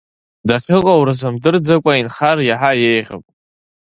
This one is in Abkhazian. Дахьыҟоу рзымдырӡакәа инхар иаҳа иеиӷьуп.